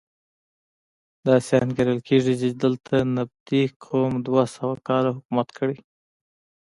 داسې انګېرل کېږي چې دلته نبطي قوم دوه سوه کاله حکومت کړی.